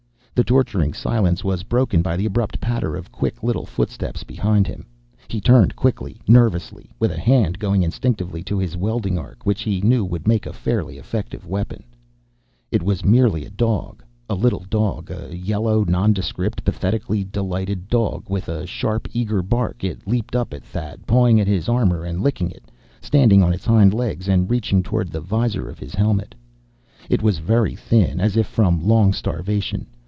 The torturing silence was broken by the abrupt patter of quick little footsteps behind him. He turned quickly, nervously, with a hand going instinctively to his welding arc, which, he knew, would make a fairly effective weapon. It was merely a dog. A little dog, yellow, nondescript, pathetically delighted. With a sharp, eager bark, it leaped up at Thad, pawing at his armor and licking it, standing on its hind legs and reaching toward the visor of his helmet. It was very thin, as if from long starvation.